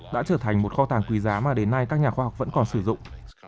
đã trở thành một kho tàng quý giá mà đến nay các nhà khoa học vẫn còn sử dụng